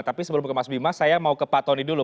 tapi sebelum ke mas bima saya mau ke pak tony dulu